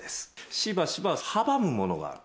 しばしば阻むものがある。